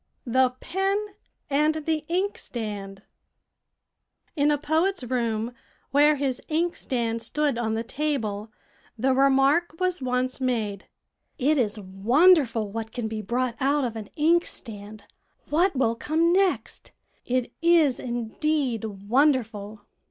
THE PEN AND THE INKSTAND In a poet's room, where his inkstand stood on the table, the remark was once made, "It is wonderful what can be brought out of an inkstand. What will come next? It is indeed wonderful."